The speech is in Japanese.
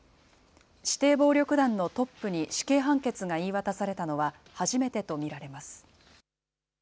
指定暴力団のトップに死刑判決が言い渡されたのは初めてと見られます。